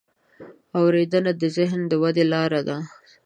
اورېدنه د ذهن د ودې لاره ده.